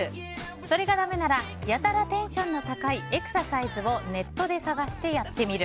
それがだめならやたらテンションの高いエクササイズをネットで探してやってみる。